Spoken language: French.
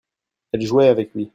elle jouait avec lui.